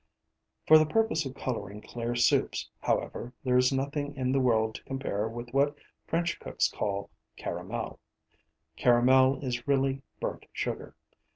For the purpose of colouring clear soups, however, there is nothing in the world to compare with what French cooks call caramel. Caramel is really burnt sugar.